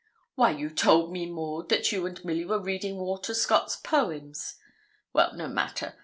'Why, you told me, Maud, that you and Milly were reading Walter Scott's poems. Well, no matter.